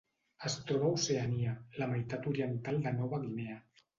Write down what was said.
Es troba a Oceania: la meitat oriental de Nova Guinea.